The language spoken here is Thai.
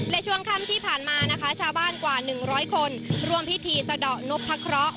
และช่วงค่ำที่ผ่านมานะคะชาวบ้านกว่า๑๐๐คนร่วมพิธีสะดอกนพะเคราะห์